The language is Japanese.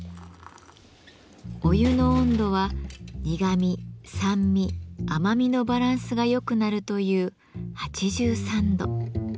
お湯の温度は苦み酸味甘みのバランスが良くなるという８３度。